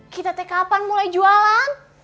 kita teh kapan mulai jualan